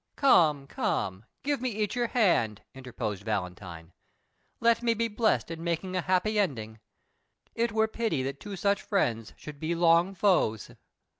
"Come, come, give me each your hand," interposed Valentine. "Let me be blest in making a happy ending. It were pity that two such friends should be long foes."